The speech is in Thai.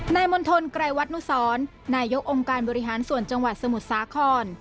มณฑลไกรวัตนุสรนายกองค์การบริหารส่วนจังหวัดสมุทรสาคร